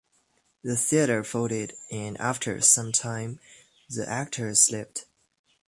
The theatre folded and after some time the actors left.